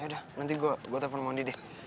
yaudah nanti gue telepon mondi deh